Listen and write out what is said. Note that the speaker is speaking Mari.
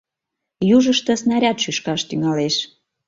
Южышто снаряд шӱшкаш тӱҥалеш.